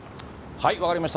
分かりました。